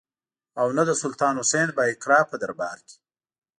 او نه د سلطان حسین بایقرا په دربار کې.